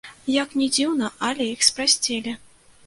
Як ні дзіўна, але іх спрасцілі.